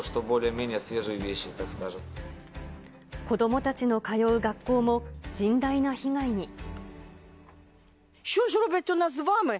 子どもたちの通う学校も、甚大な被害に。